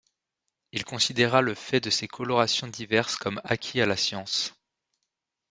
Il considéra le fait de ces colorations diverses comme acquis à la science.